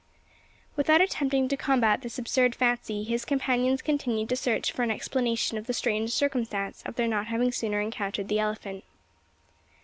Without attempting to combat this absurd fancy, his companions continued to search for an explanation of the strange circumstance of their not having sooner encountered the elephant.